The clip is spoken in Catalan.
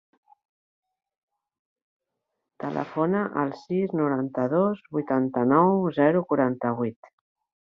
Telefona al sis, noranta-dos, vuitanta-nou, zero, quaranta-vuit.